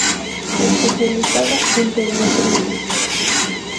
Especializada en Pediatría.